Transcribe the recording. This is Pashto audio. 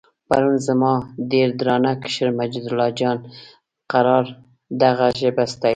پرون زما ډېر درانه کشر مجیدالله جان قرار دغه ژبه ستایلې.